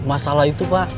masalah itu pak